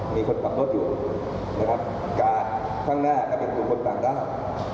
มีคนขับรถอยู่การ์ดข้างหน้าก็เป็นคนต่างแล้ว